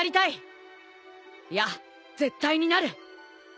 いや絶対になる。